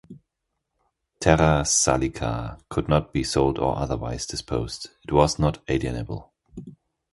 "Terra salica" could not be sold or otherwise disposed; it was not alienable.